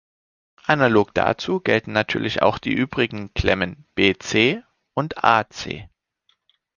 Analog dazu gelten natürlich auch die übrigen Klemmen b-c und a-c.